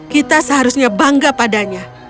kita seharusnya bangga padanya